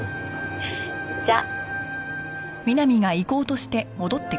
じゃあ。